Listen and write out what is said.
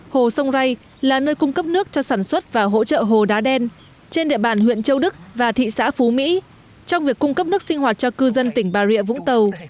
hồ sông rai là nơi cung cấp nước cho sản xuất và hỗ trợ hồ đá đen trên địa bàn huyện châu đức và thị xã phú mỹ trong việc cung cấp nước sinh hoạt cho cư dân tỉnh bà rịa vũng tàu